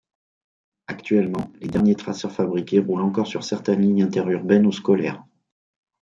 Actuellement, les derniers Tracer fabriqués roulent encore sur certaines lignes interurbaines ou scolaires.